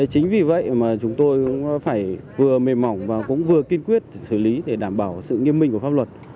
chính vì vậy mà chúng tôi cũng phải vừa mềm mỏng và cũng vừa kiên quyết xử lý để đảm bảo sự nghiêm minh của pháp luật